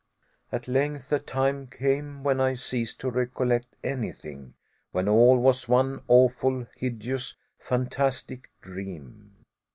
At length a time came when I ceased to recollect anything when all was one awfull hideous, fantastic dream!